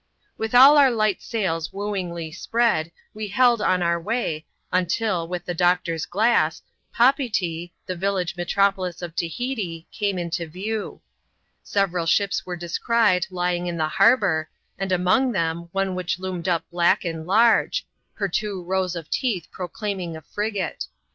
With all our light sails wooingly spread, we held on our way, until, with the doctor's glass, Papeetee, the village metropolis of Tahiti, came into view. Several ships were descried lying in the harbour, and among them, one which loomed up black and large ; her two rows of teeth proclaiming a frigate.